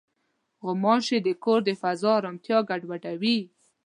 غوماشې د کور د فضا ارامتیا ګډوډوي.